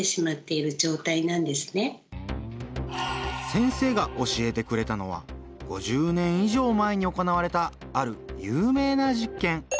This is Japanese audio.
先生が教えてくれたのは５０年以上前に行われたある有名な実験。